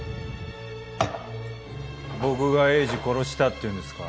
僕が栄治殺したっていうんですか？